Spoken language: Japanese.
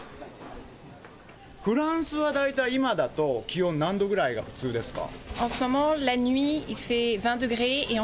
フランスは大体いまだと、気温何度ぐらいが普通ですか？